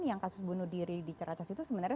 yang kasus bunuh diri di ceracas itu sebenarnya